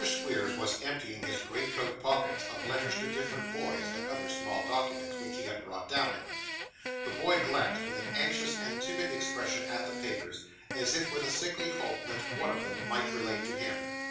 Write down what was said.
Squeers was emptying his great coat pockets of letters to different boys, and other small documents, which he had brought down in them. The boy glanced, with an anxious and timid expression, at the papers, as if with a sickly hope that one among them might relate to him.